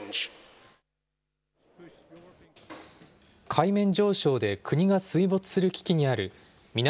海面上昇で国が水没する危機にある南